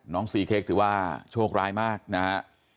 น้องซีเค้กถือว่าโชคร้ายมากนะครับ